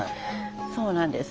そうなんです。